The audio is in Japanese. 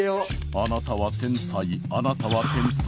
あなたは天才あなたは天才。